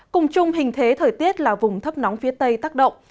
cùng chung hình thế thời tiết là vùng thấp nóng phía tây tác động